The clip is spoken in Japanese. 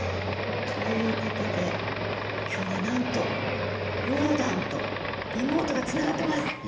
ということで今日はなんとヨルダンとリモートがつながってます。